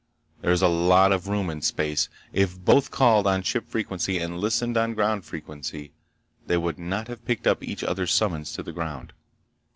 There is a lot of room in space. If both called on ship frequency and listened on ground frequency, they would not have picked up each others' summons to the ground.